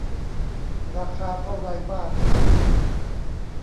ราคาเท่าไรบ้าง